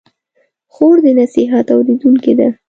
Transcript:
خور د نصیحت اورېدونکې ده.